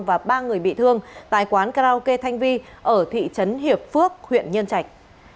và ba người bị thương tại quán karaoke thanh vi ở thị trấn hiệp phước huyện nhân trạch